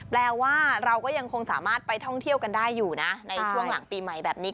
แปลว่าเราก็ยังคงสามารถไปท่องเที่ยวกันได้อยู่นะในช่วงหลังปีใหม่แบบนี้